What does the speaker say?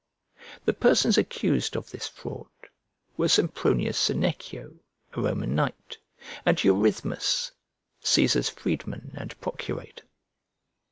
The persons accused of this fraud were Sempronius Senecio, a Roman knight, and Eurythmus, Cæsar's freedman and procurator.